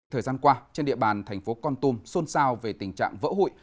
thời gian qua trên địa bàn thành phố con tum xôn xao về tình trạng vỡ hụi